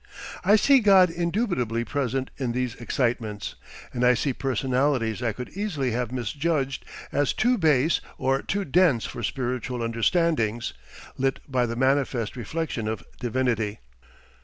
I see God indubitably present in these excitements, and I see personalities I could easily have misjudged as too base or too dense for spiritual understandings, lit by the manifest reflection of divinity.